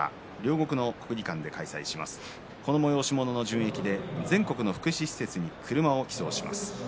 この催し物の純益で全国の福祉施設に車を寄贈します。